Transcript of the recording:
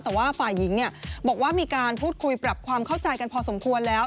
แต่ว่าฝ่ายหญิงบอกว่ามีการพูดคุยปรับความเข้าใจกันพอสมควรแล้ว